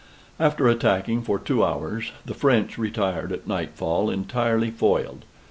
After attacking for two hours, the French retired at nightfall entirely foiled.